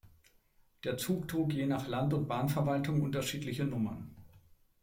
Der Zug trug je nach Land und Bahnverwaltung unterschiedliche Nummern.